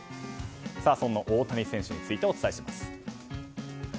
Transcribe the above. そんな大谷選手についてお伝えします。